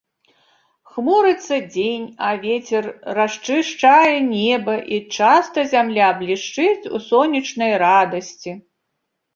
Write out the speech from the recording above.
Хмурыцца дзень, а вецер расчышчае неба, і часта зямля блішчыць у сонечнай радасці.